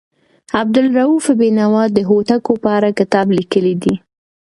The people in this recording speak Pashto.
عبدالروف بېنوا د هوتکو په اړه کتاب لیکلی دی.